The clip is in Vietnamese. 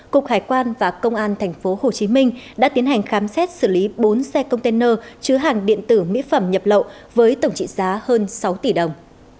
cục hải quan và công an tp hcm đã tiến hành khám xét xử lý bốn xe container chứa hàng điện tử mỹ phẩm nhập lậu với tổng trị giá hơn sáu tỷ đồng